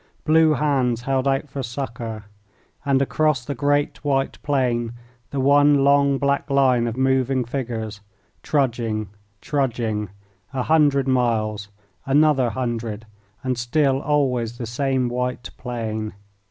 Blue hands held out for succour. And across the great white plain the one long black line of moving figures, trudging, trudging, a hundred miles, another hundred, and still always the same white plain.